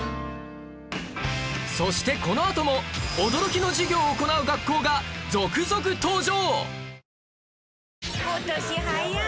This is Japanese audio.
そしてこのあとも驚きの授業を行う学校が続々登場！